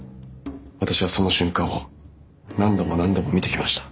私はその瞬間を何度も何度も見てきました。